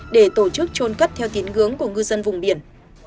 để tổ chức trôn cất theo tín ngưỡng của ngư dân vùng biển